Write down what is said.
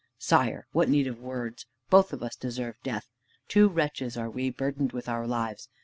"Sire, what need of words? Both of us deserve death. Two wretches are we, burdened with our lives.